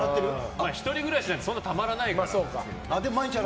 １人暮らしなんでそんなたまらないから。